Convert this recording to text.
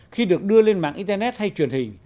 khi được đưa lên mạng internet hay truyền hình